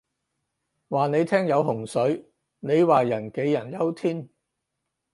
話你聽有洪水，你話人杞人憂天